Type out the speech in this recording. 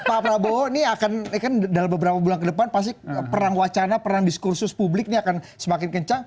pak prabowo ini akan dalam beberapa bulan ke depan pasti perang wacana perang diskursus publik ini akan semakin kencang